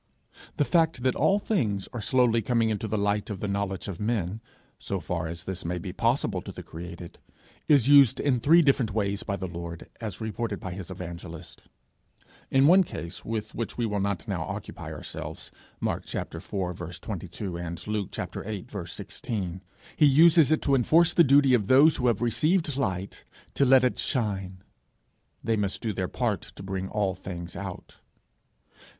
The fact that all things are slowly coming into the light of the knowledge of men so far as this may be possible to the created is used in three different ways by the Lord, as reported by his evangelist. In one case, with which we will not now occupy ourselves Mark iv. 22; Luke viii. 16 he uses it to enforce the duty of those who have received light to let it shine: they must do their part to bring all things out.